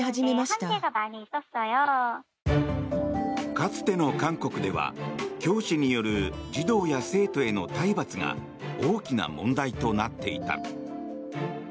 かつての韓国では教師による児童や生徒への体罰が大きな問題となっていた。